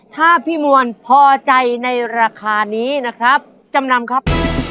ถ้าพี่มวลพอใจในราคานี้นะครับจำนำครับ